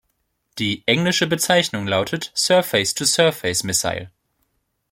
Die englische Bezeichnung lautet "Surface-to-surface missile".